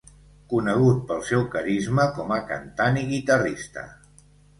Conegut pel seu carisma com a cantant i guitarrista.